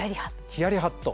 ヒヤリハット。